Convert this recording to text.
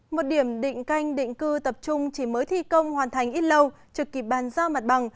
một điểm định canh định cư tập trung chỉ mới thi công hoàn thành ít lâu trực kịp bàn giao mặt bằng